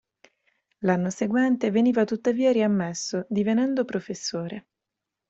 L'anno seguente veniva tuttavia riammesso, divenendo professore.